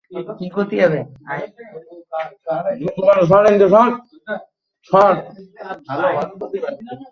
আবার অনেক কুমার পুরুষের ক্ষেত্রেও এ ধরনের সমস্যা দেখা দিতে পারে।